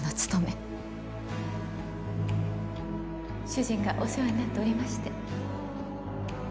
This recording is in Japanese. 主人がお世話になっておりまして